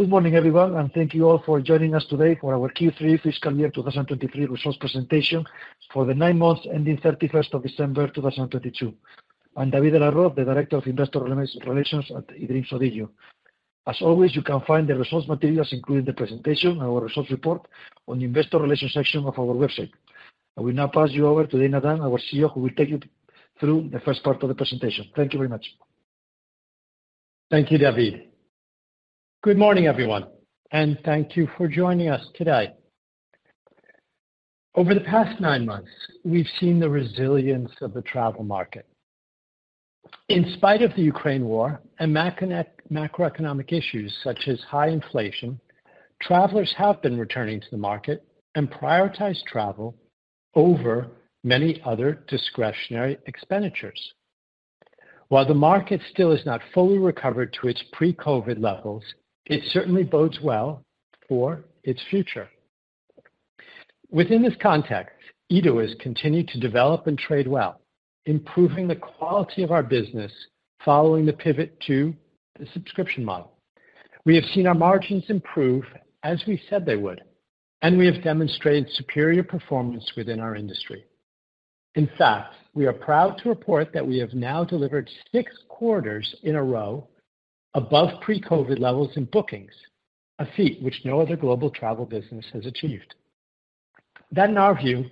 Good morning, everyone. Thank you all for joining us today for our Q3 fiscal year 2023 results presentation for the nine months ending 31st of December 2022. I'm David de la Roz Fernandez, the Director of Investor Relations at eDreams ODIGEO. As always, you can find the results materials, including the presentation and our results report on the investor relations section of our website. I will now pass you over to Dana Dunne, our CEO, who will take you through the first part of the presentation. Thank you very much. Thank you, David. Good morning, everyone, and thank you for joining us today. Over the past nine months, we've seen the resilience of the travel market. In spite of the Ukraine war and macroeconomic issues such as high inflation, travelers have been returning to the market and prioritize travel over many other discretionary expenditures. While the market still is not fully recovered to its pre-COVID levels, it certainly bodes well for its future. Within this context, Edo has continued to develop and trade well, improving the quality of our business following the pivot to the subscription model. We have seen our margins improve as we said they would, and we have demonstrated superior performance within our industry. In fact, we are proud to report that we have now delivered 6 quarters in a row above pre-COVID levels in bookings, a feat which no other global travel business has achieved. That, in our view,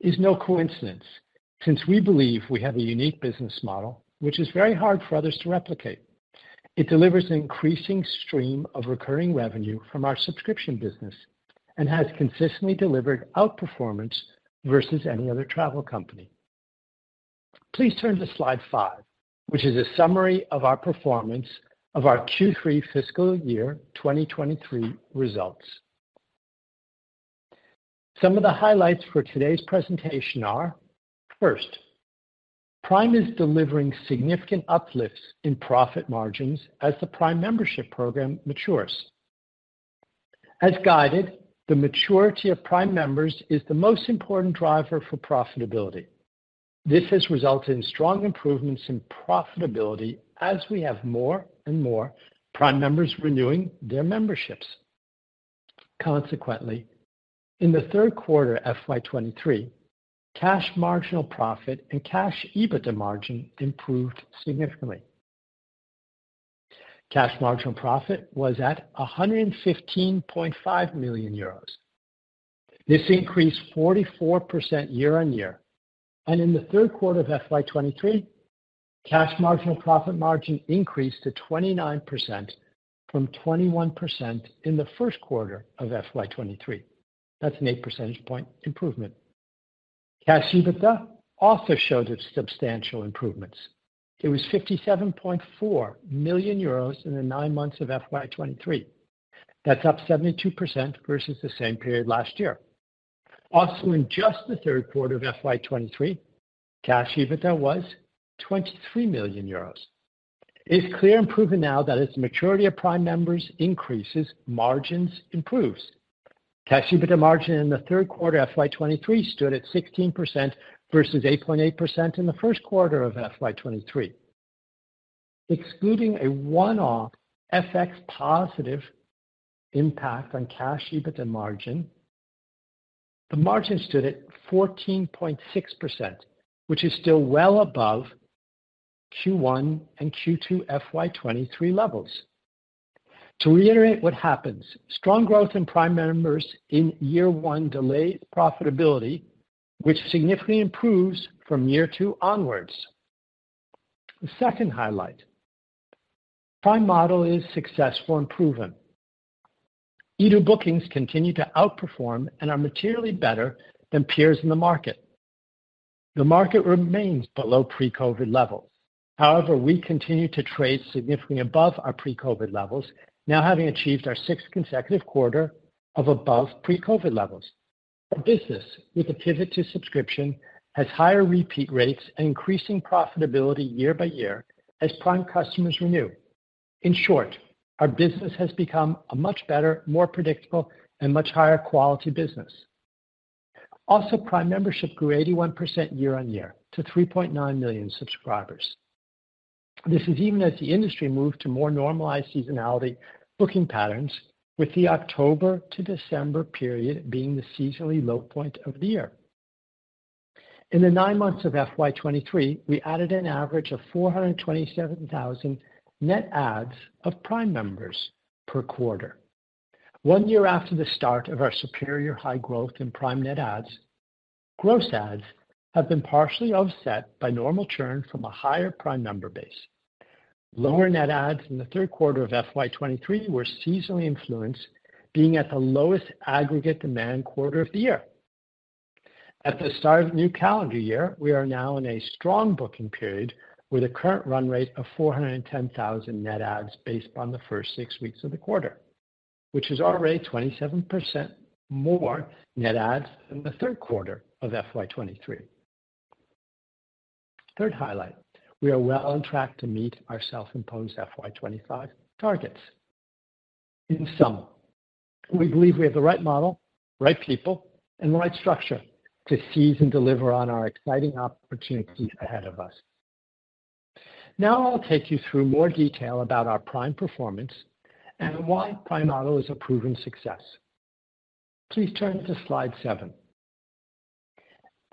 is no coincidence, since we believe we have a unique business model which is very hard for others to replicate. It delivers an increasing stream of recurring revenue from our subscription business and has consistently delivered outperformance versus any other travel company. Please turn to slide five, which is a summary of our performance of our Q3 fiscal year 2023 results. Some of the highlights for today's presentation are, first, Prime is delivering significant uplifts in profit margins as the Prime membership program matures. As guided, the maturity of Prime members is the most important driver for profitability. This has resulted in strong improvements in profitability as we have more and more Prime members renewing their memberships. Consequently, in the third quarter FY 2023, Cash Marginal Profit and Cash EBITDA margin improved significantly. Cash Marginal Profit was at 115.5 million euros. This increased 44% year-over-year. In the third quarter of FY 2023, Cash Marginal Profit margin increased to 29% from 21% in the first quarter of FY 2023. That's an eight percentage point improvement. Cash EBITDA also showed its substantial improvements. It was 57.4 million euros in the nine months of FY 2023. That's up 72% versus the same period last year. In just the third quarter of FY 2023, Cash EBITDA was 23 million euros. It's clear and proven now that as the maturity of Prime members increases, margins improves. Cash EBITDA margin in the third quarter FY 2023 stood at 16% versus 8.8% in the first quarter of FY 2023. Excluding a one-off FX positive impact on Cash EBITDA margin, the margin stood at 14.6%, which is still well above Q1 and Q2 FY 2023 levels. To reiterate what happens, strong growth in Prime members in year one delays profitability, which significantly improves from year two onwards. The second highlight, Prime model is successful and proven. Edo bookings continue to outperform and are materially better than peers in the market. The market remains below pre-COVID levels. we continue to trade significantly above our pre-COVID levels, now having achieved our sixth consecutive quarter of above pre-COVID levels. Our business, with a pivot to subscription, has higher repeat rates and increasing profitability year by year as Prime customers renew. In short, our business has become a much better, more predictable, and much higher quality business. Prime Membership grew 81% year-on-year to 3.9 million subscribers. This is even as the industry moved to more normalized seasonality booking patterns, with the October to December period being the seasonally low point of the year. In the nine months of FY 2023, we added an average of 427,000 net adds of Prime members per quarter. One year after the start of our superior high growth in Prime net adds, gross adds have been partially offset by normal churn from a higher Prime member base. Lower net adds in the third quarter of FY 2023 were seasonally influenced, being at the lowest aggregate demand quarter of the year. At the start of the new calendar year, we are now in a strong booking period with a current run rate of 410,000 net adds based upon the first six weeks of the quarter, which is already 27% more net adds than the third quarter of FY 2023. Third highlight. We are well on track to meet our self-imposed FY 2025 targets. In sum, we believe we have the right model, right people, and the right structure to seize and deliver on our exciting opportunities ahead of us. I'll take you through more detail about our Prime performance and why Prime model is a proven success. Please turn to slide seven.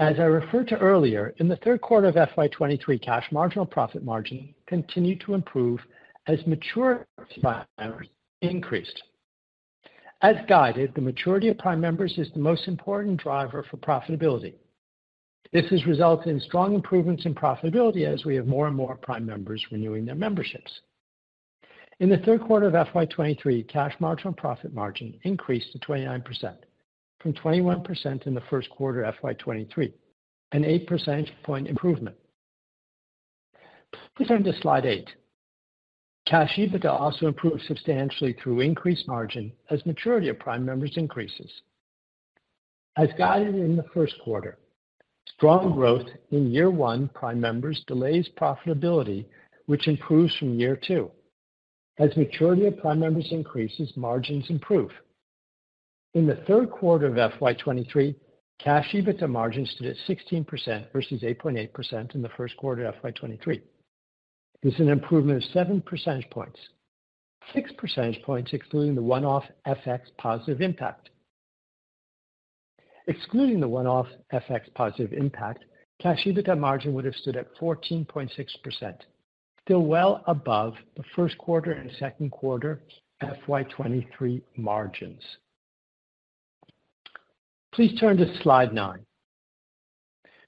As I referred to earlier, in the third quarter of FY 2023, Cash Marginal Profit margin continued to improve as mature Prime members increased. As guided, the maturity of Prime members is the most important driver for profitability. This has resulted in strong improvements in profitability as we have more and more Prime members renewing their memberships. In the third quarter of FY 2023, Cash Marginal Profit margin increased to 29%, from 21% in the first quarter FY 2023, an eight percentage point improvement. Please turn to slide eight. Cash EBITDA also improved substantially through increased margin as maturity of Prime members increases. As guided in the first quarter, strong growth in year one Prime members delays profitability, which improves from year two. As maturity of Prime members increases, margins improve. In the third quarter of FY 2023, Cash EBITDA margin stood at 16% versus 8.8 in the first quarter of FY 2023. It's an improvement of seven percentage points. six percentage points, excluding the one-off FX positive impact. Excluding the one-off FX positive impact, Cash EBITDA margin would have stood at 14.6%, still well above the first quarter and second quarter FY 2023 margins. Please turn to slide 9.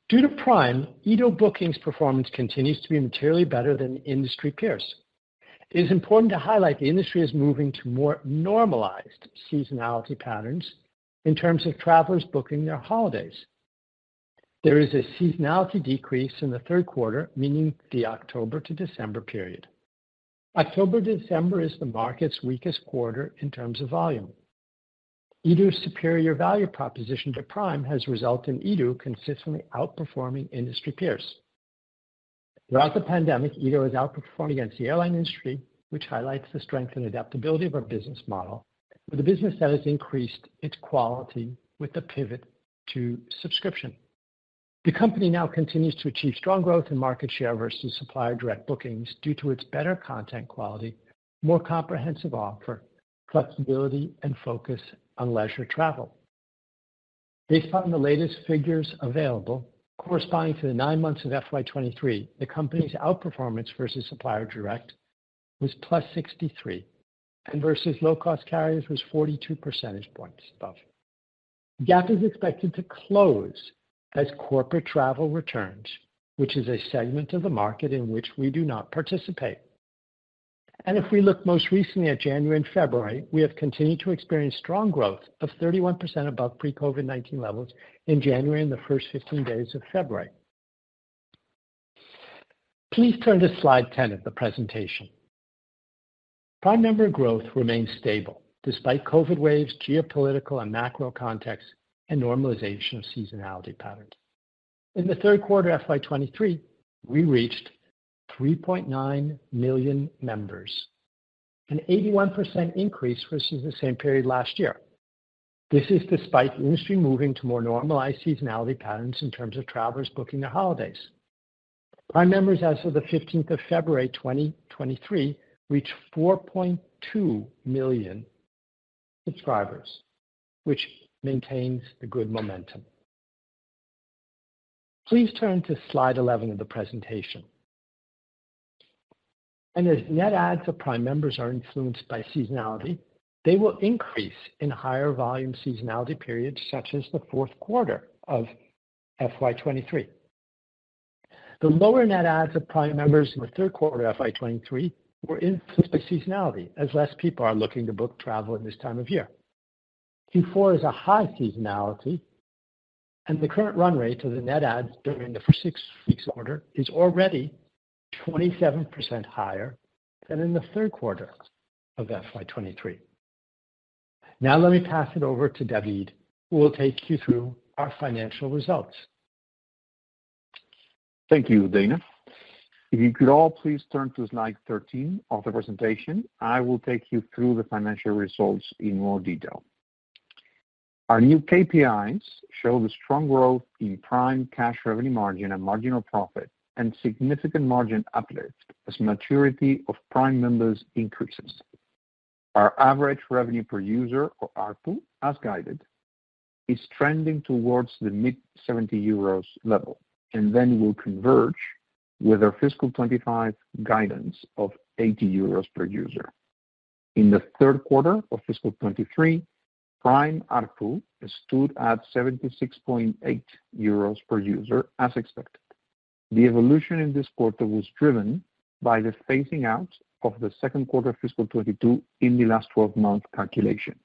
Due to Prime, eDreams ODIGEO bookings performance continues to be materially better than industry peers. It is important to highlight the industry is moving to more normalized seasonality patterns in terms of travelers booking their holidays. There is a seasonality decrease in the third quarter, meaning the October-December period. October-December is the market's weakest quarter in terms of volume. eDreams ODIGEO's superior value proposition to Prime has resulted in eDreams ODIGEO consistently outperforming industry peers. Throughout the pandemic, eDreams ODIGEO has outperformed against the airline industry, which highlights the strength and adaptability of our business model with a business that has increased its quality with the pivot to subscription. The company now continues to achieve strong growth in market share versus supplier direct bookings due to its better content quality, more comprehensive offer, flexibility, and focus on leisure travel. Based on the latest figures available, corresponding to the nine months of FY 2023, the company's outperformance versus supplier direct was +63, and versus low-cost carriers was 42 percentage points above. The gap is expected to close as corporate travel returns, which is a segment of the market in which we do not participate. If we look most recently at January and February, we have continued to experience strong growth of 31% above pre-COVID-19 levels in January and the first 15 days of February. Please turn to slide 10 of the presentation. Prime member growth remains stable despite COVID waves, geopolitical and macro context, and normalization of seasonality patterns. In the third quarter FY 2023, we reached 3.9 million members, an 81% increase versus the same period last year. This is despite the industry moving to more normalized seasonality patterns in terms of travelers booking their holidays. Prime members as of the 15th of February 2023, reached 4.2 million subscribers, which maintains the good momentum. Please turn to slide 11 of the presentation. As net adds of Prime members are influenced by seasonality, they will increase in higher volume seasonality periods such as the fourth quarter of FY 2023. The lower net adds of Prime members in the third quarter FY 2023 were influenced by seasonality, as less people are looking to book travel in this time of year. Q4 is a high seasonality. The current run rate of the net adds during the first six weeks of the quarter is already 27% higher than in the third quarter of FY 2023. Let me pass it over to David, who will take you through our financial results. Thank you, Dana. If you could all please turn to slide 13 of the presentation, I will take you through the financial results in more detail. Our new KPIs show the strong growth in Prime Cash Revenue Margin and Cash Marginal Profit and significant margin uplift as maturity of Prime members increases. Our average revenue per user or ARPU, as guided, is trending towards the mid 70 euros level and then will converge with our fiscal 2025 guidance of 80 euros per user. In the third quarter of fiscal 2023, Prime ARPU stood at 76.8 euros per user as expected. The evolution in this quarter was driven by the phasing out of the second quarter of fiscal 2022 in the last 12-month calculation.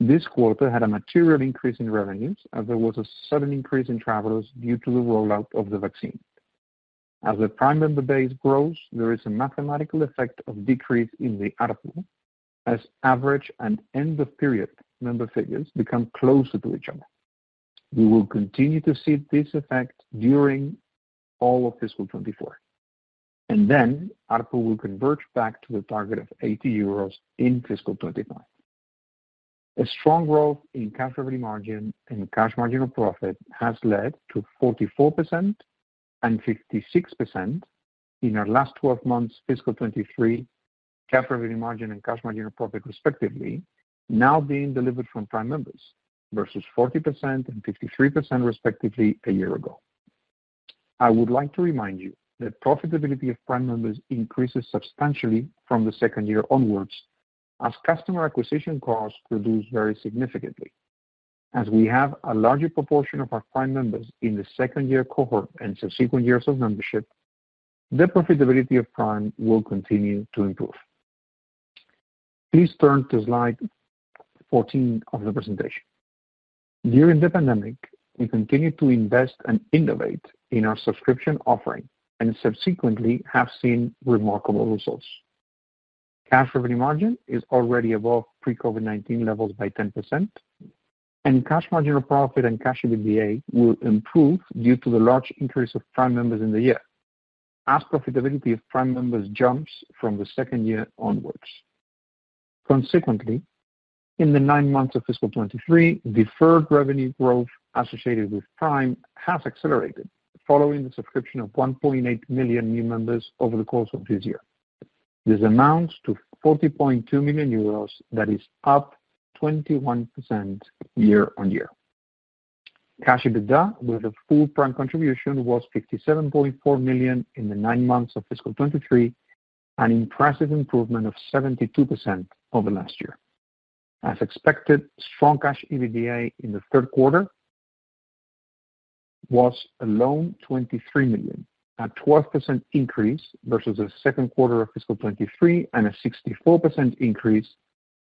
This quarter had a material increase in revenues as there was a sudden increase in travelers due to the rollout of the vaccine. As the Prime member base grows, there is a mathematical effect of decrease in the ARPU as average and end of period member figures become closer to each other. We will continue to see this effect during all of fiscal 2024, and then ARPU will convert back to the target of 80 euros in fiscal 2025. A strong growth in Cash Revenue Margin and Cash Marginal Profit has led to 44% and 56% in our last 12 months fiscal 2023 Cash Revenue Margin and Cash Marginal Profit respectively, now being delivered from Prime members versus 40% and 53% respectively a year ago. I would like to remind you that profitability of Prime members increases substantially from the second year onwards as customer acquisition costs reduce very significantly. As we have a larger proportion of our Prime members in the second year cohort and subsequent years of membership, the profitability of Prime will continue to improve. Please turn to slide 14 of the presentation. During the pandemic, we continued to invest and innovate in our subscription offering and subsequently have seen remarkable results. Cash Revenue Margin is already above pre-COVID-19 levels by 10%, and Cash Marginal Profit and Cash EBITDA will improve due to the large increase of Prime members in the year as profitability of Prime members jumps from the second year onwards. Consequently, in the nine months of fiscal 2023, Deferred Revenue growth associated with Prime has accelerated following the subscription of 1.8 million new members over the course of this year. This amounts to 40.2 million euros, that is up 21% year-on-year. Cash EBITDA with a full Prime contribution was 57.4 million in the nine months of fiscal 2023, an impressive improvement of 72% over last year. As expected, strong Cash EBITDA in the third quarter was alone 23 million, a 12% increase versus the second quarter of fiscal 2023 and a 64% increase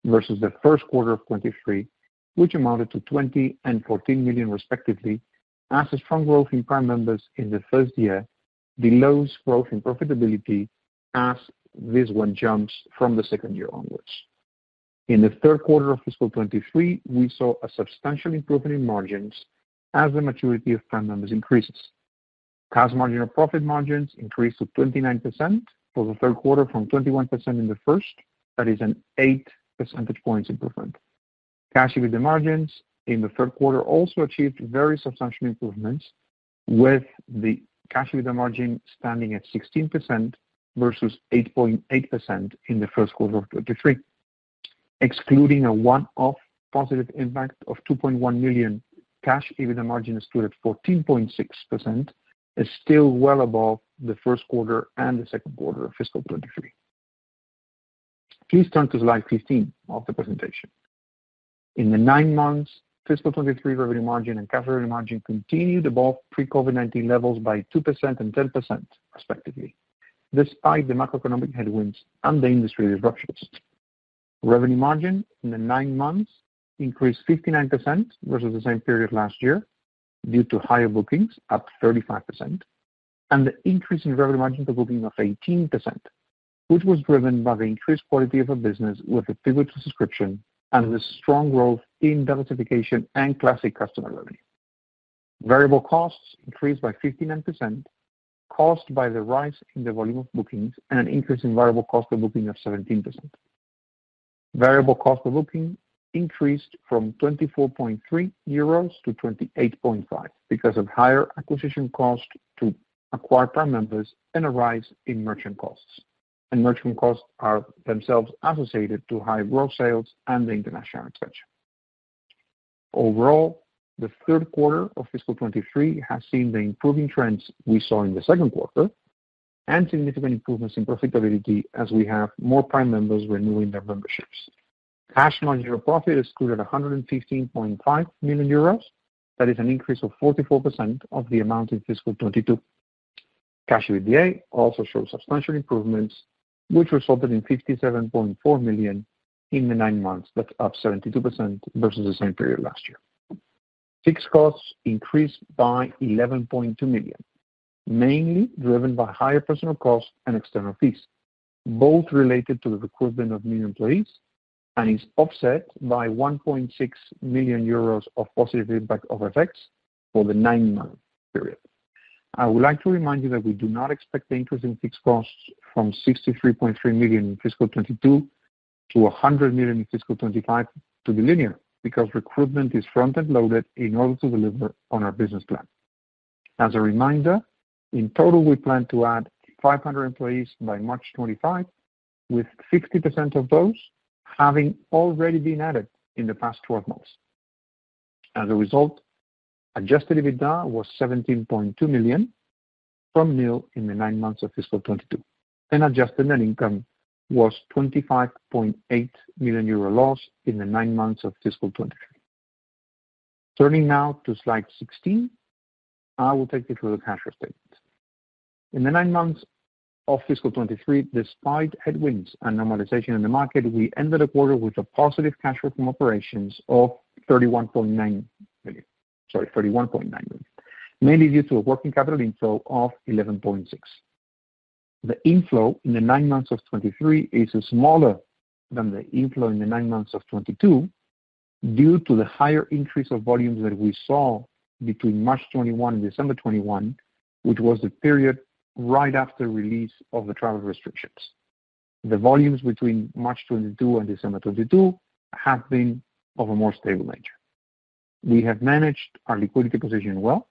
versus the 1st quarter of 2023, which amounted to 20 million and 14 million respectively. As a strong growth in Prime members in the first year, the lowest growth in profitability as this one jumps from the second year onwards. In the third quarter of fiscal 2023, we saw a substantial improvement in margins as the maturity of Prime members increases. Cash margin or profit margins increased to 29% for the third quarter from 21% in the 1st. That is an eight percentage points improvement. Cash EBITDA margins in the third quarter also achieved very substantial improvements, with the Cash EBITDA margin standing at 16% versus 8.8% in the first quarter of 2023. Excluding a one-off positive impact of 2.1 million, Cash EBITDA margin stood at 14.6%, still well above the first quarter and the second quarter of fiscal 2023. Please turn to slide 15 of the presentation. In the nine months, fiscal 2023 Revenue Margin and Cash Revenue Margin continued above pre-COVID-19 levels by 2% and 10% respectively, despite the macroeconomic headwinds and the industry disruptions. Revenue margin in the nine months increased 59% versus the same period last year due to higher bookings up 35% and the increase in revenue margin per booking of 18%, which was driven by the increased quality of our business with the pivot to subscription and the strong growth in diversification and classic customer revenue. Variable costs increased by 59%, caused by the rise in the volume of bookings and an increase in variable cost per booking of 17%. Variable cost per booking increased from 24.3 euros to 28.5 because of higher acquisition cost to acquire Prime members and a rise in merchant costs. Merchant costs are themselves associated to high growth sales and the international expansion. Overall, the third quarter of fiscal 2023 has seen the improving trends we saw in the second quarter and significant improvements in profitability as we have more Prime members renewing their memberships. Cash Marginal Profit is stood at 115.5 million euros. That is an increase of 44% of the amount in fiscal 2022. Cash EBITDA also shows substantial improvements, which resulted in 57.4 million in the nine months. That's up 72% versus the same period last year. Fixed costs increased by 11.2 million, mainly driven by higher personal costs and external fees, both related to the recruitment of new employees and is offset by 1.6 million euros of positive impact of FX for the nine-month period. I would like to remind you that we do not expect the increase in fixed costs from 63.3 million in fiscal 2022 to 100 million in fiscal 2025 to be linear because recruitment is front and loaded in order to deliver on our business plan. As a reminder, in total, we plan to add 500 employees by March 2025, with 60% of those having already been added in the past 12 months. As a result, Adjusted EBITDA was 17.2 million from nil in the nine months of fiscal 2022, and Adjusted Net Income was 25.8 million euro loss in the 9 months of fiscal 2023. Turning now to slide 16, I will take you through the cash flow statement. In the nine months of fiscal 2023, despite headwinds and normalization in the market, we ended the quarter with a positive cash flow from operations of 31.9 million, mainly due to a working capital inflow of 11.6 million. The inflow in the nine months of 2023 is smaller than the inflow in the nine months of 2022 due to the higher increase of volumes that we saw between March 2021 and December 2021. The period right after release of the travel restrictions. The volumes between March 2022 and December 2022 have been of a more stable nature. We have managed our liquidity position well,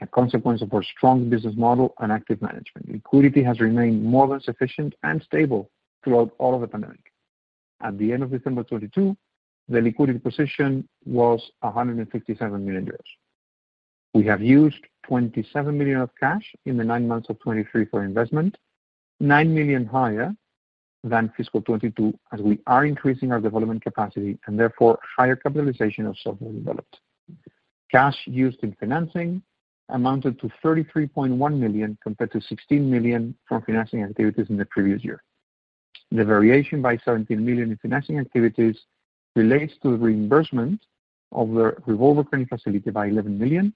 a consequence of our strong business model and active management. Liquidity has remained more than sufficient and stable throughout all of the pandemic. At the end of December 2022, the liquidity position was 157 million euros. We have used 27 million of cash in the nine months of 2023 for investment, 9 million higher than fiscal 2022, as we are increasing our development capacity and therefore higher capitalization of software developed. Cash used in financing amounted to 33.1 million compared to 16 million from financing activities in the previous year. The variation by 17 million in financing activities relates to the reimbursement of the revolving credit facility by 11 million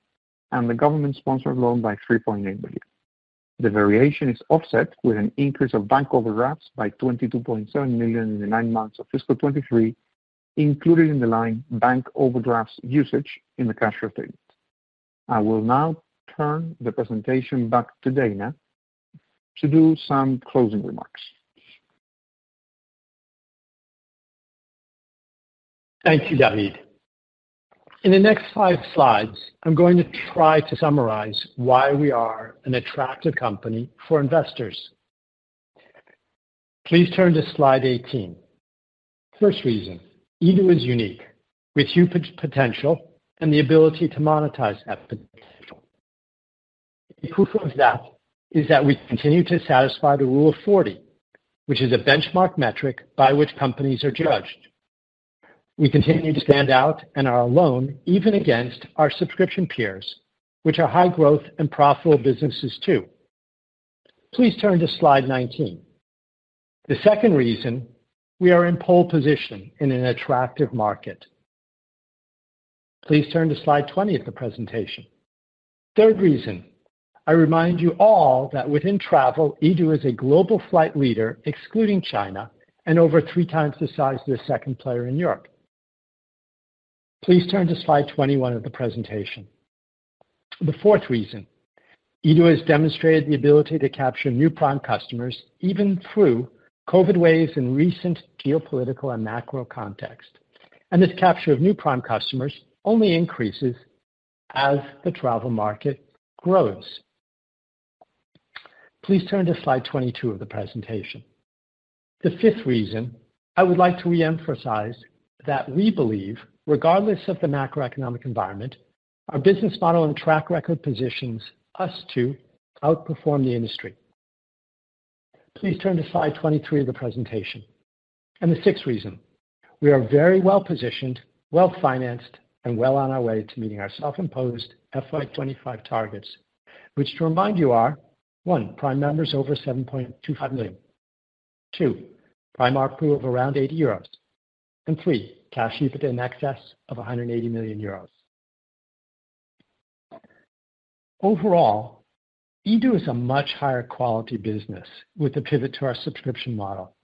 and the government-sponsored loan by 3.8 million. The variation is offset with an increase of bank overdrafts by 22.7 million in the nine months of fiscal 2023, included in the line bank overdrafts usage in the cash flow statement. I will now turn the presentation back to Dana to do some closing remarks. Thank you, David. In the next five slides, I'm going to try to summarize why we are an attractive company for investors. Please turn to slide 18. First reason, EDU is unique with huge potential and the ability to monetize that potential. The proof of that is that we continue to satisfy the Rule of Forty, which is a benchmark metric by which companies are judged. We continue to stand out and are alone even against our subscription peers, which are high growth and profitable businesses too. Please turn to slide 19. The second reason, we are in pole position in an attractive market. Please turn to slide 20 of the presentation. Third reason. I remind you all that within travel, EDU is a global flight leader, excluding China, and over 3 times the size of the second player in Europe. Please turn to slide 21 of the presentation. The fourth reason. EDU has demonstrated the ability to capture new Prime customers even through COVID waves in recent geopolitical and macro context. This capture of new Prime customers only increases as the travel market grows. Please turn to slide 22 of the presentation. The fifth reason. I would like to re-emphasize that we believe, regardless of the macroeconomic environment, our business model and track record positions us to outperform the industry. Please turn to slide 23 of the presentation. The sixth reason. We are very well-positioned, well-financed, and well on our way to meeting our self-imposed FY 25 targets, which to remind you are, one. Prime members over 7.2 million. two. Prime ARPU of around 80 euros. three. Cash EBITDA in excess of 180 million euros. Overall, EDU is a much higher quality business with a pivot to our subscription model.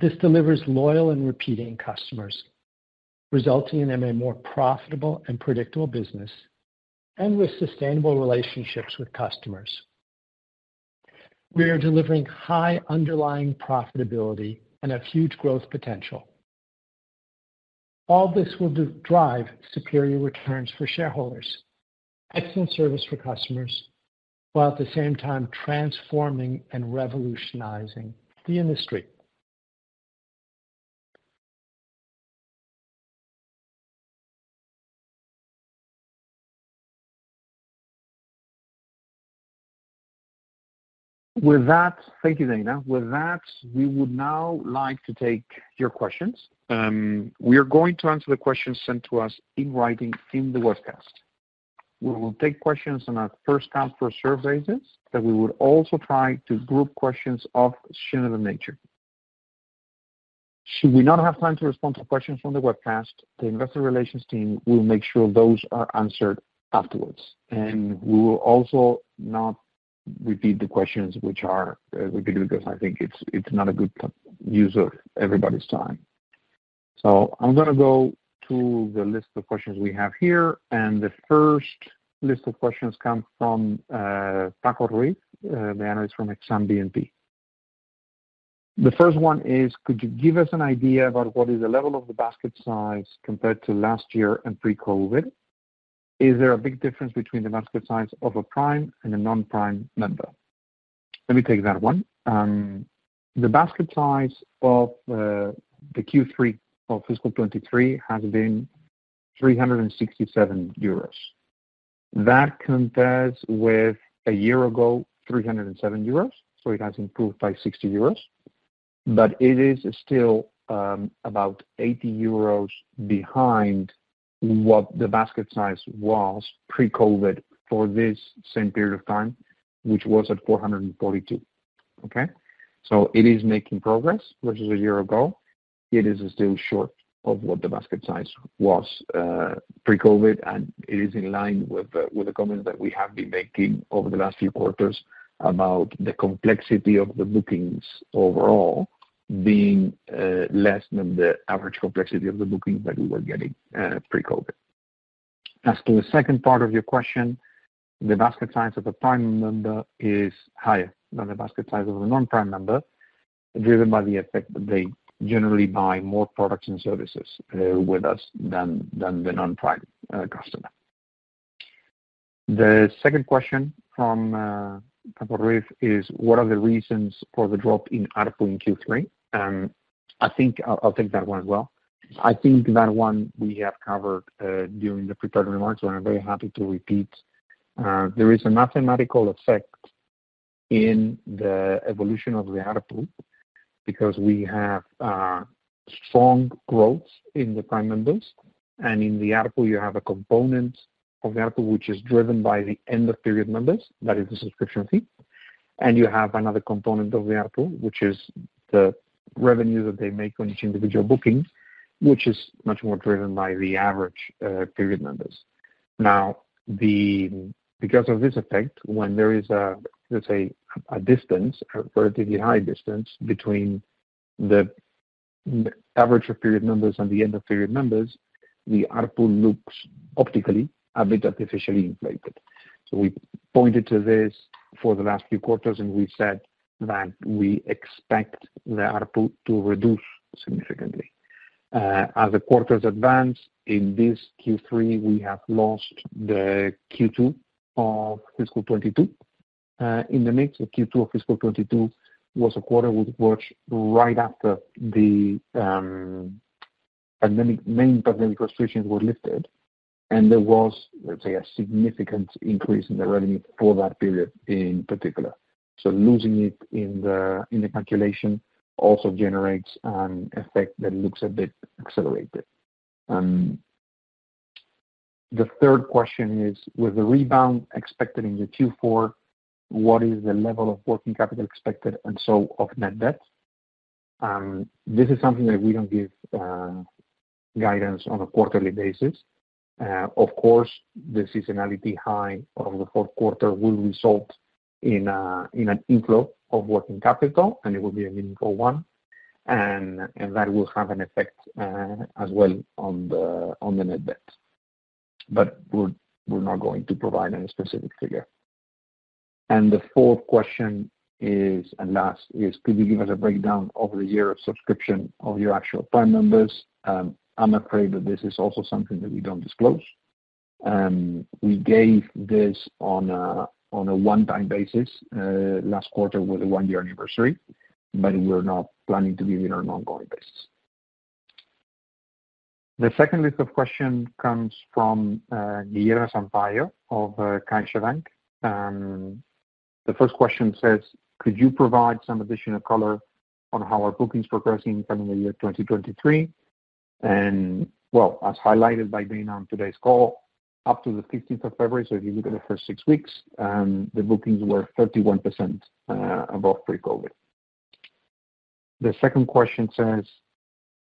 This delivers loyal and repeating customers, resulting in a more profitable and predictable business and with sustainable relationships with customers. We are delivering high underlying profitability and a huge growth potential. All this will drive superior returns for shareholders, excellent service for customers, while at the same time transforming and revolutionizing the industry. With that, Thank you, Dana. With that, we would now like to take your questions. We are going to answer the questions sent to us in writing in the webcast. We will take questions on a first come, first serve basis. We would also try to group questions of similar nature. Should we not have time to respond to questions from the webcast, the investor relations team will make sure those are answered afterwards. We will also not repeat the questions which are repeated, because I think it's not a good use of everybody's time. I'm going to go to the list of questions we have here. The first list of questions comes from Iñigo Torres, the analyst from BNP Paribas Exane. The first one is: Could you give us an idea about what is the level of the basket size compared to last year and pre-COVID? Is there a big difference between the basket size of a Prime and a non-Prime member? Let me take that one. The basket size of the Q3 of fiscal 2023 has been 367 euros. That compares with a year ago, 307 euros, it has improved by 60 euros. It is still about 80 euros behind what the basket size was pre-COVID for this same period of time, which was at 442. Okay? It is making progress versus a year ago. It is still short of what the basket size was pre-COVID, and it is in line with the comments that we have been making over the last few quarters about the complexity of the bookings overall being less than the average complexity of the bookings that we were getting pre-COVID. As to the second part of your question, the basket size of the Prime member is higher than the basket size of a non-Prime member, driven by the effect that they generally buy more products and services with us than the non-Prime customer. The second question from Pablo Rived is: What are the reasons for the drop in ARPU in Q3? I think I'll take that one as well. I think that one we have covered during the prepared remarks, and I'm very happy to repeat. There is a mathematical effect in the evolution of the ARPU because we have strong growth in the Prime members, and in the ARPU, you have a component of the ARPU, which is driven by the end of period members, that is the subscription fee. You have another component of the ARPU, which is the revenue that they make on each individual booking, which is much more driven by the average period members. Because of this effect, when there is a distance, a relatively high distance between the average period members and the end of period members, the ARPU looks optically a bit artificially inflated. We pointed to this for the last few quarters, and we said that we expect the ARPU to reduce significantly. As the quarters advance in this Q3, we have lost the Q2 of fiscal 22. In the mix of Q2 of fiscal 22 was a quarter which right after the main pandemic restrictions were lifted, and there was, let's say, a significant increase in the revenue for that period in particular. Losing it in the calculation also generates an effect that looks a bit accelerated. The third question is: With the rebound expected in the Q4, what is the level of working capital expected, and so of net debt? This is something that we don't give guidance on a quarterly basis. Of course, the seasonality high of the fourth quarter will result in an inflow of working capital, and it will be a meaningful one. That will have an effect as well on the net debt. We're not going to provide any specific figure. The fourth question is, and last is: Could you give us a breakdown over the year of subscription of your actual Prime members? I'm afraid that this is also something that we don't disclose. We gave this on a one-time basis last quarter with the one-year anniversary, but we're not planning to give it on an ongoing basis. The second list of question comes from Guilherme Macedo Sampaio of CaixaBank. The 1st question says: Could you provide some additional color on how are bookings progressing from the year 2023? Well, as highlighted by Dana on today's call, up to the 15th of February, if you look at the first six weeks, the bookings were 31% above pre-COVID-19. The second question says: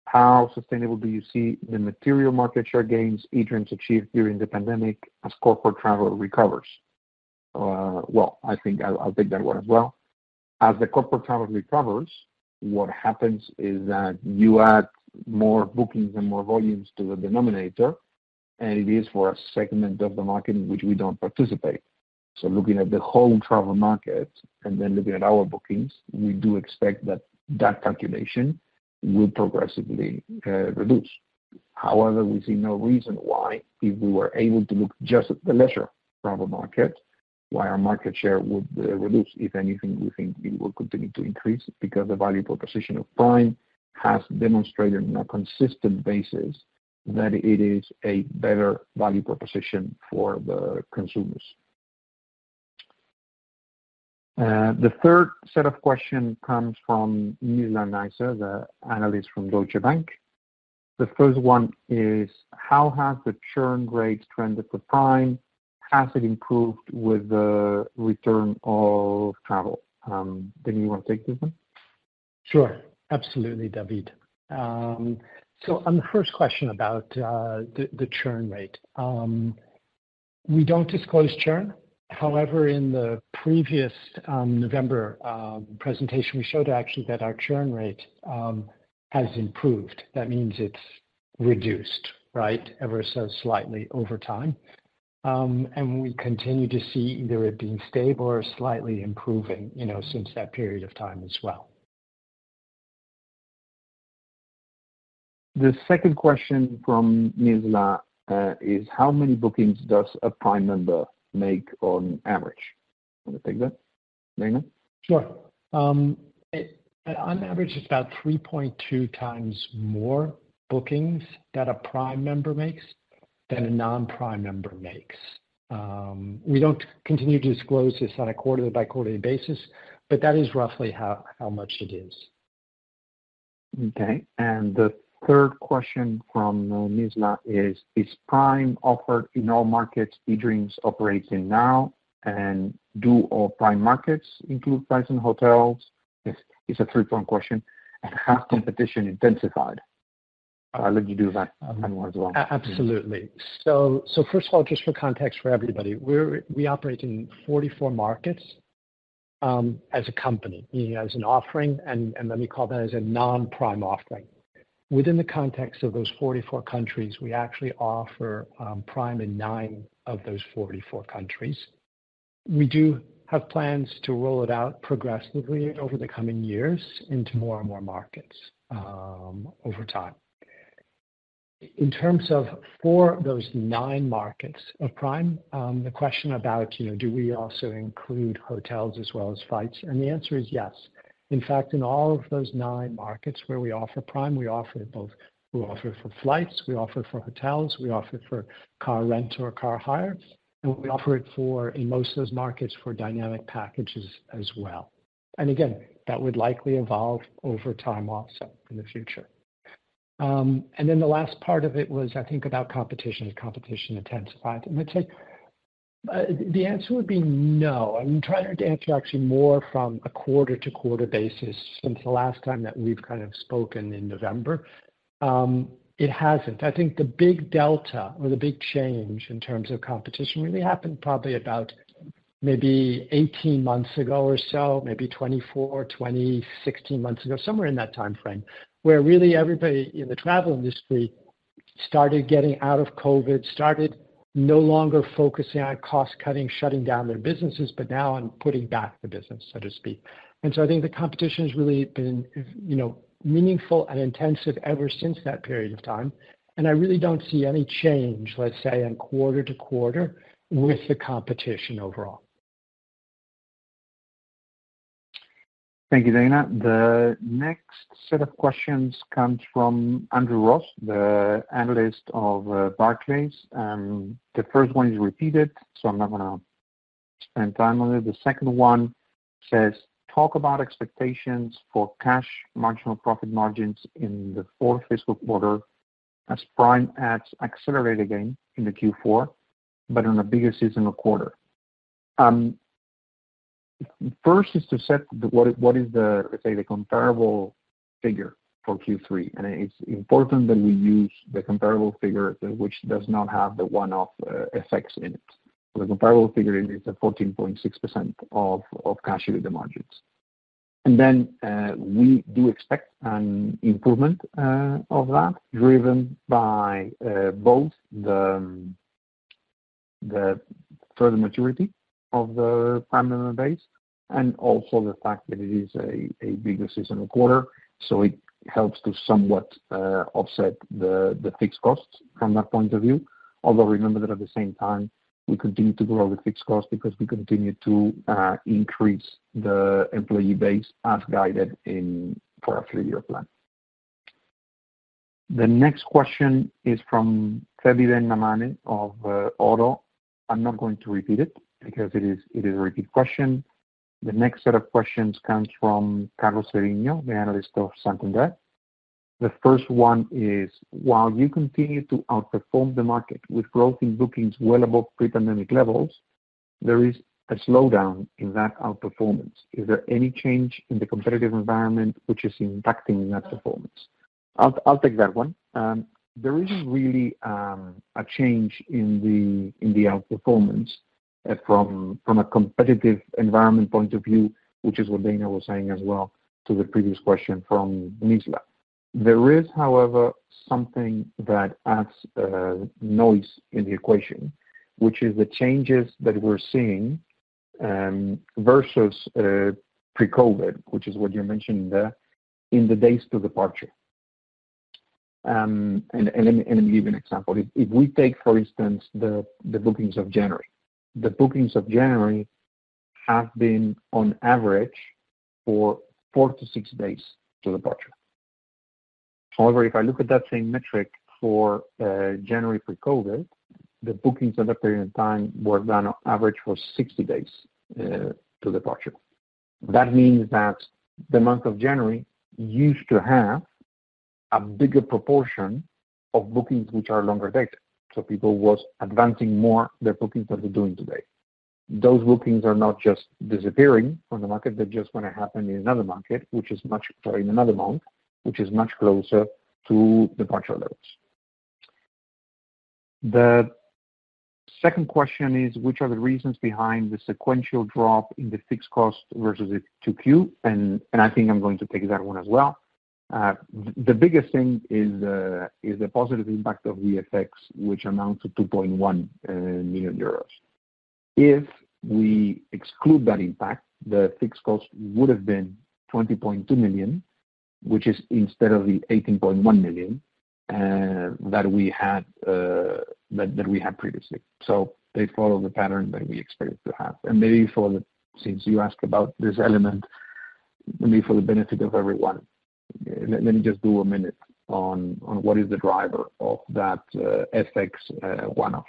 How sustainable do you see the material market share gains eDreams ODIGEO achieved during the pandemic as corporate travel recovers? Well, I think I'll take that one as well. As the corporate travel recovers, what happens is that you add more bookings and more volumes to the denominator, and it is for a segment of the market in which we don't participate. Looking at the whole travel market and then looking at our bookings, we do expect that that calculation will progressively reduce. However, we see no reason why, if we were able to look just at the leisure travel market, why our market share would reduce. If anything, we think it will continue to increase because the value proposition of Prime has demonstrated on a consistent basis that it is a better value proposition for the consumers. The third set of question comes from Fathima-Nizla Naizer, the analyst from Deutsche Bank. The first one is: How has the churn rate trended for Prime? Has it improved with the return of travel? David Elizaga, you wanna take this one? Sure. Absolutely, David. On the first question about the churn rate, we don't disclose churn. However, in the previous November presentation, we showed actually that our churn rate has improved. That means it's reduced, right, ever so slightly over time. We continue to see either it being stable or slightly improving, you know, since that period of time as well. The second question from Nisla, is: How many bookings does a Prime member make on average? Wanna take that, Dana? Sure. On average, it's about 3.2 times more bookings that a Prime member makes than a non-Prime member makes. We don't continue to disclose this on a quarterly by quarterly basis, but that is roughly how much it is. Okay. The third question from Nisla is: Is Prime offered in all markets eDreams ODIGEO operates in now, and do all Prime markets include flights and hotels? It's a three-prong question. Has competition intensified? I'll let you do that one as well. Absolutely. First of all, just for context for everybody, we operate in 44 markets as a company, meaning as an offering, and let me call that as a non-Prime offering. Within the context of those 44 countries, we actually offer Prime in nine of those 44 countries. We do have plans to roll it out progressively over the coming years into more and more markets over time. In terms of for those nine markets of Prime, the question about, you know, do we also include hotels as well as flights? The answer is yes. In fact, in all of those nine markets where we offer Prime, we offer both. We offer for flights, we offer for hotels, we offer for car rent or car hire, and we offer it for, in most of those markets, for dynamic packages as well. Again, that would likely evolve over time also in the future. The last part of it was, I think, about competition. Has competition intensified? I'd say, the answer would be no. I mean, trying to answer actually more from a quarter-to-quarter basis since the last time that we've kind of spoken in November. It hasn't. I think the big delta or the big change in terms of competition really happened probably about maybe 18 months ago or so, maybe 24 or 26 months ago, somewhere in that timeframe, where really everybody in the travel industry started getting out of COVID-19, started no longer focusing on cost-cutting, shutting down their businesses, but now on putting back the business, so to speak. I think the competition has really been, you know, meaningful and intensive ever since that period of time. I really don't see any change, let's say, on quarter-to-quarter with the competition overall. Thank you, Dana. The next set of questions comes from Andrew Ross, the analyst of Barclays. The first one is repeated, I'm not gonna spend time on it. The second one says, "Talk about expectations for Cash Marginal Profit margins in the fourth fiscal quarter as Prime adds accelerated gain in the Q4 but in a bigger seasonal quarter." First is to set what is the, let's say, the comparable figure for Q3. It's important that we use the comparable figure which does not have the one-off effects in it. The comparable figure is a 14.6% of Cash EBITDA margins. We do expect an improvement of that, driven by both the further maturity of the Prime member base and also the fact that it is a bigger seasonal quarter, so it helps to somewhat offset the fixed costs from that point of view. Although remember that at the same time, we continue to grow the fixed cost because we continue to increase the employee base as guided for our three-year plan. The next question is from Kevin O'Keeffe of Jefferies. I'm not going to repeat it because it is a repeat question. The next set of questions comes from Carlos Serrano, the analyst of Santander. The first one is, "While you continue to outperform the market with growth in bookings well above pre-pandemic levels, there is a slowdown in that outperformance. Is there any change in the competitive environment which is impacting that performance? I'll take that one. There isn't really a change in the outperformance from a competitive environment point of view, which is what Dana was saying as well to the previous question from Nisla. There is, however, something that adds noise in the equation, which is the changes that we're seeing versus pre-COVID-19, which is what you mentioned there, in the days to departure. Let me give you an example. If we take, for instance, the bookings of January. The bookings of January have been on average for four-six days to departure. However, if I look at that same metric for January pre-COVID-19, the bookings at that period in time were on average for 60 days to departure. That means that the month of January used to have a bigger proportion of bookings which are longer dated, so people was advancing more their bookings than they're doing today. Those bookings are not just disappearing from the market. They're just gonna happen in another market, which is much or in another month, which is much closer to departure levels. The second question is, "Which are the reasons behind the sequential drop in the fixed cost versus the 2Q?" I think I'm going to take that one as well. The biggest thing is the positive impact of the effects which amount to 2.1 million euros. If we exclude that impact, the fixed cost would have been 20.2 million, which is instead of the 18.1 million that we had previously. They follow the pattern that we expected to have. Maybe for the since you asked about this element, maybe for the benefit of everyone, let me just do a minute on what is the driver of that FX one-off.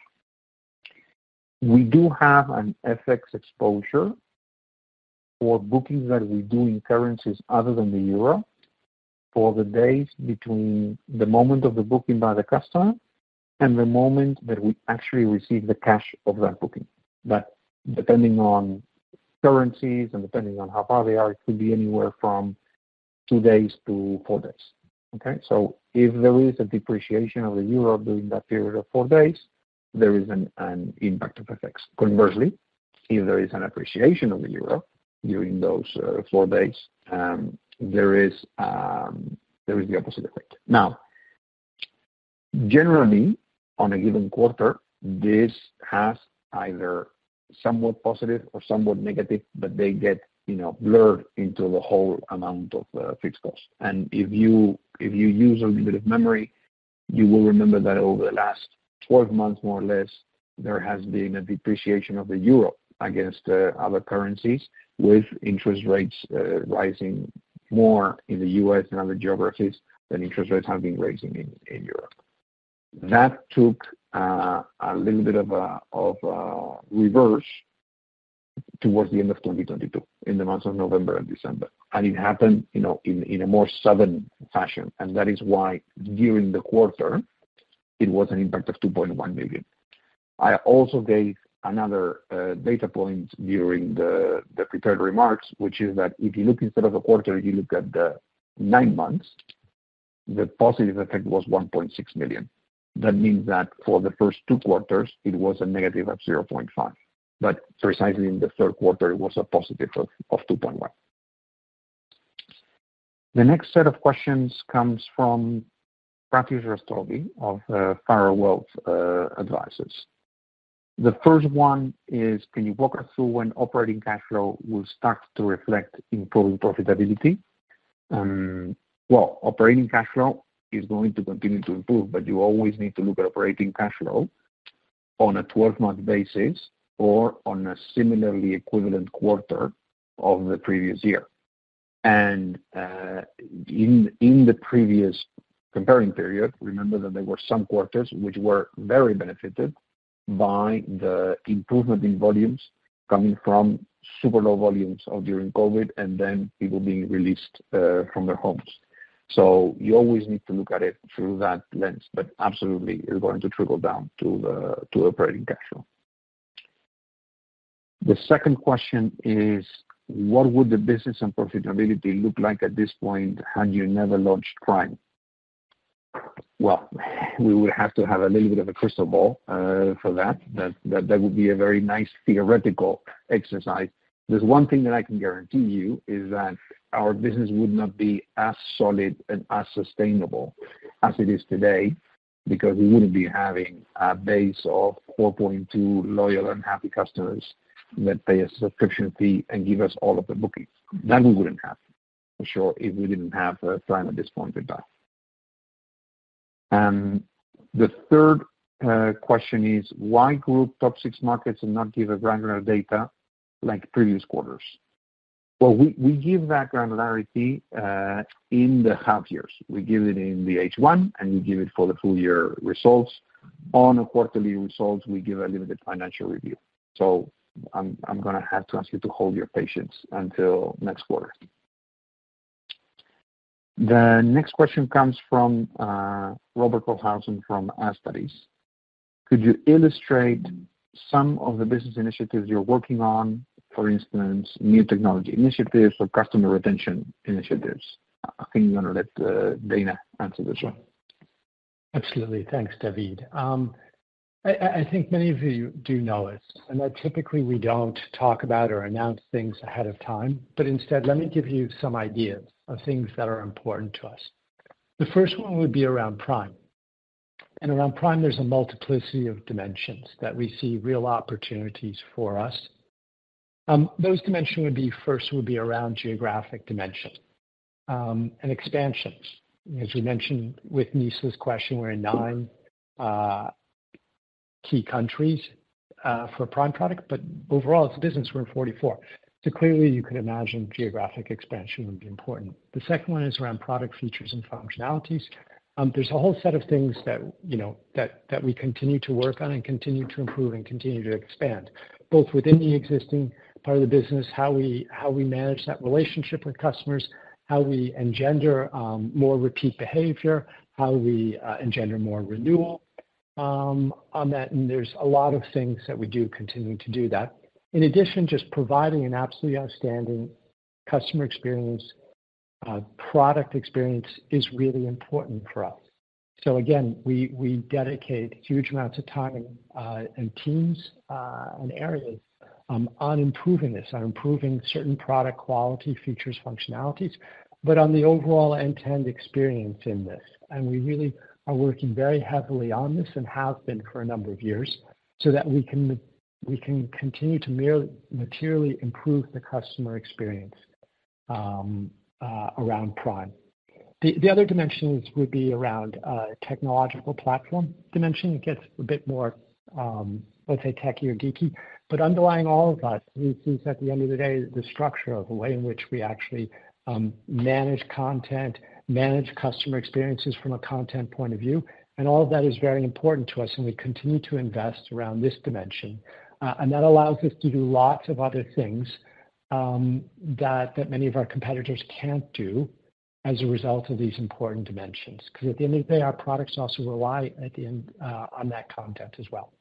We do have an FX exposure for bookings that we do in currencies other than the euro for the days between the moment of the booking by the customer and the moment that we actually receive the cash of that booking. Depending on currencies and depending on how far they are, it could be anywhere from two days to four days. Okay? If there is a depreciation of the euro during that period of four days, there is an impact of effects. Conversely, if there is an appreciation of the euro during those four days, there is the opposite effect. Generally, on a given quarter, this has either somewhat positive or somewhat negative, but they get, you know, blurred into the whole amount of fixed cost. If you, if you use a little bit of memory, you will remember that over the last 12 months, more or less, there has been a depreciation of the euro against other currencies with interest rates rising more in the U.S. and other geographies than interest rates have been raising in Europe. That took a little bit of a reverse towards the end of 2022, in the months of November and December. It happened, you know, in a more sudden fashion. That is why during the quarter it was an impact of 2.1 million. I also gave another data point during the prepared remarks, which is that if you look instead of the quarter, you look at the nine months, the positive effect was 1.6 million. That means that for the first two quarters it was a negative of 0.5 million, precisely in the third quarter it was a positive of 2.1 million. The next set of questions comes from Pardeep Dhanoa of Wells Fargo Advisors. The first one is: can you walk us through when operating cash flow will start to reflect improving profitability? Well, operating cash flow is going to continue to improve, but you always need to look at operating cash flow on a 12-month basis or on a similarly equivalent quarter of the previous year. In the previous comparing period, remember that there were some quarters which were very benefited by the improvement in volumes coming from super low volumes of during COVID-19, and then people being released from their homes. You always need to look at it through that lens, but absolutely it's going to trickle down to the operating cash flow. The second question is: what would the business and profitability look like at this point had you never launched Prime? Well, we would have to have a little bit of a crystal ball for that. That would be a very nice theoretical exercise. There's one thing that I can guarantee you, is that our business would not be as solid and as sustainable as it is today, because we wouldn't be having a base of 4.2 loyal and happy customers that pay a subscription fee and give us all of the bookings. That we wouldn't have for sure if we didn't have Prime at this point in time. The third question is: why group top six markets and not give a granular data like previous quarters? Well, we give that granularity in the half years. We give it in the H one, we give it for the full year results. On a quarterly results, we give a limited financial review. I'm gonna have to ask you to hold your patience until next quarter. The next question comes from Robert Holthausen from Kepler Cheuvreux: could you illustrate some of the business initiatives you're working on, for instance, new technology initiatives or customer retention initiatives? I think I'm gonna let Dana answer this one. Absolutely. Thanks, David. I think many of you do know it, and that typically we don't talk about or announce things ahead of time, but instead let me give you some ideas of things that are important to us. The first one would be around Prime. Around Prime, there's a multiplicity of dimensions that we see real opportunities for us. Those dimensions would be first would be around geographic dimension and expansions. As we mentioned with Nizla's question, we're in nine key countries for Prime product, but overall as a business, we're in 44. Clearly you can imagine geographic expansion would be important. The second one is around product features and functionalities. There's a whole set of things that, you know, that we continue to work on and continue to improve and continue to expand, both within the existing part of the business, how we manage that relationship with customers, how we engender more repeat behavior, how we engender more renewal on that. There's a lot of things that we do continue to do that. In addition, just providing an absolutely outstanding customer experience, product experience is really important for us. Again, we dedicate huge amounts of time, and teams, and areas, on improving this, on improving certain product quality, features, functionalities, but on the overall end-to-end experience in this. We really are working very heavily on this and have been for a number of years so that we can continue to materially improve the customer experience around Prime. The other dimensions would be around technological platform dimension. It gets a bit more, let's say techy or geeky. Underlying all of that is at the end of the day, the structure of the way in which we actually manage content, manage customer experiences from a content point of view. All of that is very important to us, and we continue to invest around this dimension. That allows us to do lots of other things that many of our competitors can't do as a result of these important dimensions. At the end of the day, our products also rely at the end, on that content as well.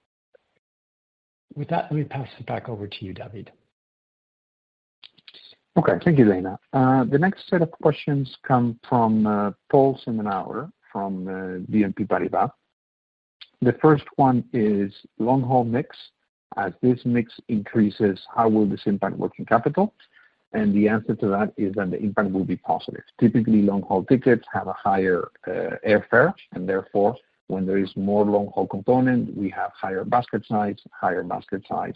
With that, let me pass it back over to you, David. Okay. Thank you, Dana. The next set of questions come from Paul from BNP Paribas. The first one is long-haul mix. As this mix increases, how will this impact working capital? The answer to that is that the impact will be positive. Typically, long-haul tickets have a higher air fare, and therefore, when there is more long-haul component, we have higher basket size. Higher basket size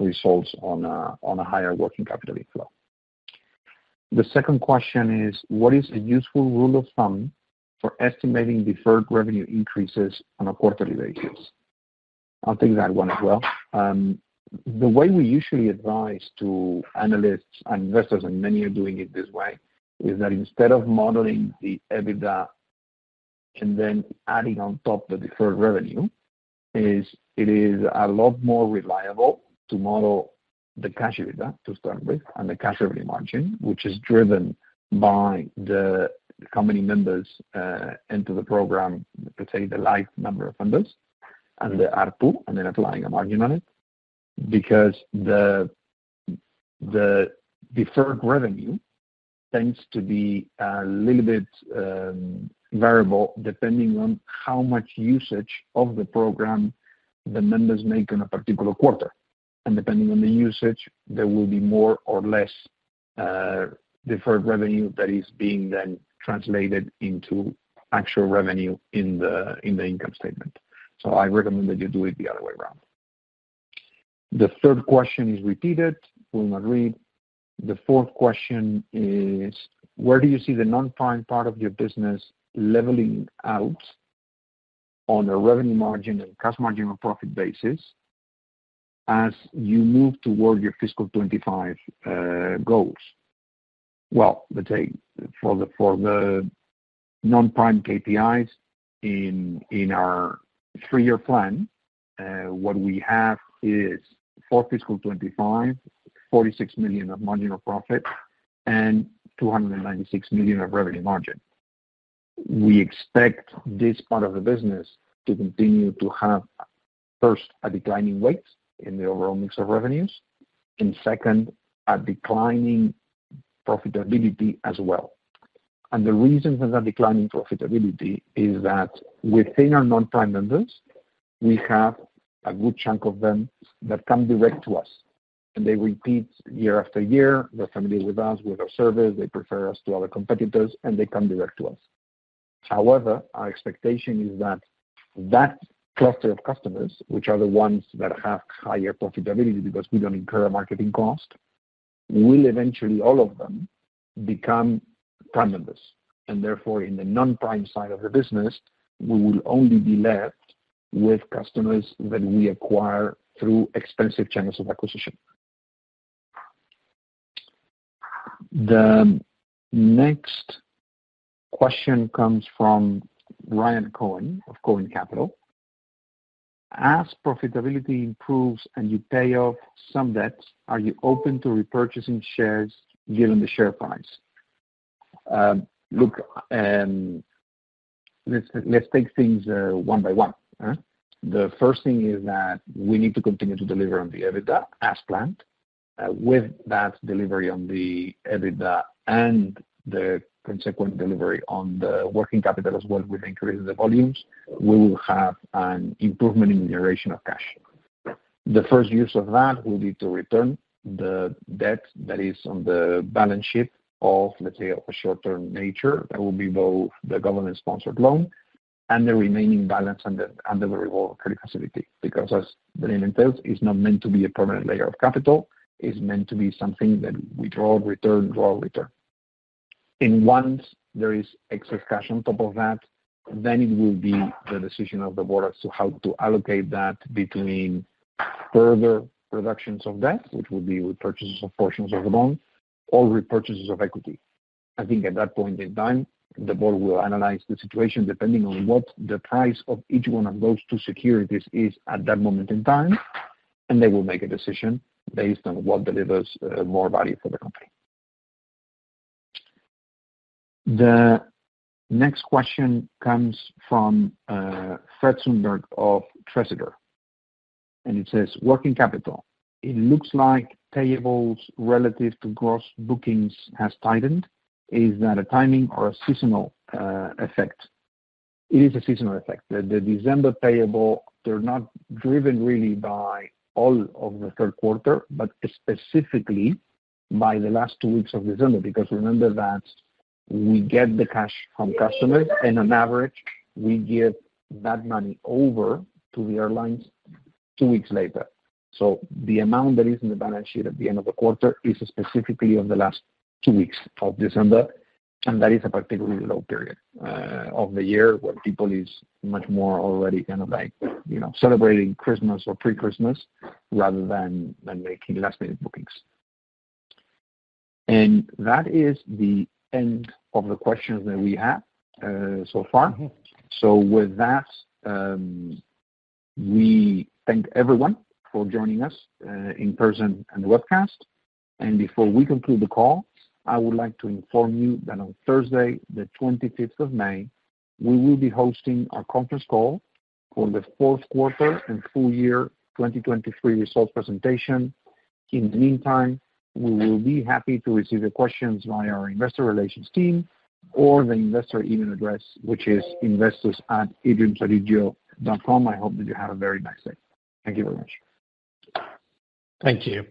results on a higher working capital inflow. The second question is: What is a useful rule of thumb for estimating deferred revenue increases on a quarterly basis? I'll take that one as well. The way we usually advise to analysts and investors, many are doing it this way, is that instead of modeling the EBITDA and then adding on top the Deferred Revenue, it is a lot more reliable to model the Cash EBITDA to start with and the Cash Revenue Margin, which is driven by the company members, into the program, let's say the live number of members and the ARPU, and then applying a margin on it. Because the Deferred Revenue tends to be a little bit variable depending on how much usage of the program the members make in a particular quarter. Depending on the usage, there will be more or less Deferred Revenue that is being then translated into actual revenue in the income statement. I recommend that you do it the other way around. The third question is repeated. Will not read. The fourth question is: Where do you see the non-Prime part of your business leveling out on a revenue margin and gross margin or profit basis as you move toward your fiscal 25 goals? Well, let's say for the non-Prime KPIs in our three-year plan, what we have is for fiscal 25, 46 million of marginal profit and 296 million of revenue margin. We expect this part of the business to continue to have, first, a declining weight in the overall mix of revenues, second, a declining profitability as well. The reason for that declining profitability is that within our non-Prime members, we have a good chunk of them that come direct to us, and they repeat year after year. They're familiar with us, with our service, they prefer us to other competitors, and they come direct to us. However, our expectation is that that cluster of customers, which are the ones that have higher profitability because we don't incur a marketing cost, will eventually, all of them, become Prime members. Therefore, in the non-Prime side of the business, we will only be left with customers that we acquire through expensive channels of acquisition. The next question comes from Ryan Cohen of Cohen Capital. As profitability improves and you pay off some debts, are you open to repurchasing shares given the share price? Look, let's take things one by one. The first thing is that we need to continue to deliver on the EBITDA as planned. With that delivery on the EBITDA and the consequent delivery on the working capital as well, with increase in the volumes, we will have an improvement in generation of cash. The first use of that will be to return the debt that is on the balance sheet of, let's say, of a short-term nature. That will be both the government-sponsored loan and the remaining balance under the revolving credit facility. Because as the name entails, it's not meant to be a permanent layer of capital. It's meant to be something that withdraw, return, withdraw, return. Once there is excess cash on top of that, then it will be the decision of the board as to how to allocate that between further reductions of debt, which will be repurchases of portions of the bond or repurchases of equity. I think at that point in time, the board will analyze the situation depending on what the price of each one of those two securities is at that moment in time, and they will make a decision based on what delivers more value for the company. The next question comes from Fred Sundberg of Tressis. It says, working capital, it looks like payables relative to gross bookings has tightened. Is that a timing or a seasonal effect? It is a seasonal effect. The December payable, they're not driven really by all of the third quarter, but specifically by the last two weeks of December. Remember that we get the cash from customers, on average, we give that money over to the airlines two weeks later. The amount that is in the balance sheet at the end of the quarter is specifically on the last two weeks of December, and that is a particularly low period of the year where people is much more already kind of like, you know, celebrating Christmas or pre-Christmas rather than making last-minute bookings. That is the end of the questions that we have so far. With that, we thank everyone for joining us in person and the webcast. Before we conclude the call, I would like to inform you that on Thursday, May 25th, we will be hosting our conference call for the fourth quarter and full year 2023 results presentation. In the meantime, we will be happy to receive your questions via our investor relations team or the investor email address, which is investors@edreamsodigeo.com. I hope that you have a very nice day. Thank you very much. Thank you.